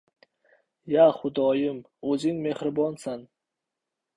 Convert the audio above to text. — Ya Xudoyim, o‘zing mehribonsan.